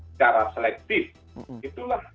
secara selektif itulah